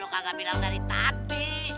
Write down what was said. kenapa lo kagak bilang dari tadi